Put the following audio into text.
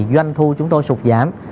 doanh thu chúng tôi sụt giảm